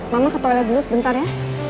mama ke toilet dulu sebentar ya